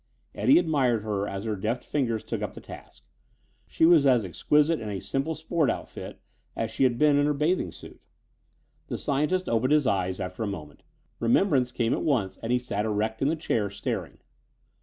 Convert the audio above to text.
Eddie admired her as her deft fingers took up the task. She was as exquisite in a simple sport outfit as she had been in her bathing suit. The scientist opened his eyes after a moment. Remembrance came at once and he sat erect in the chair, staring.